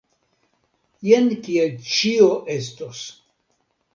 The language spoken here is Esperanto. Jen kiel ĉio estos.